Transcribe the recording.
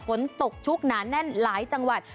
ฝนตกชุกหนาแน่นหลายจังหวัด